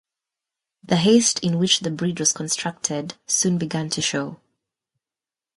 The haste in which the bridge was constructed soon began to show.